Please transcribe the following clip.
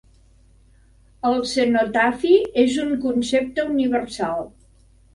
El cenotafi és un concepte universal.